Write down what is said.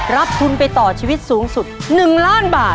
รับทุนไปต่อชีวิตสูงสุด๑ล้านบาท